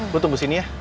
gue tunggu sini ya